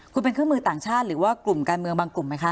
คุณเป็นเครื่องมือต่างชาติหรือว่ากลุ่มการเมืองบางกลุ่มไหมคะ